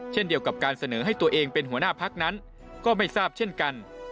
เช่นเดียวกับการเสนอให้ตัวเองเป็นหัวหน้าพักนั้นก็ไม่ทราบเช่นกัน